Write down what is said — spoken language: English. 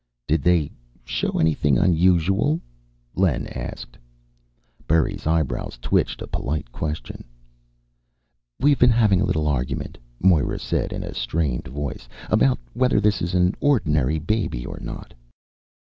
"Did they show anything unusual?" Len asked. Berry's eyebrows twitched a polite question. "We've been having a little argument," Moira said in a strained voice, "about whether this is an ordinary baby or not."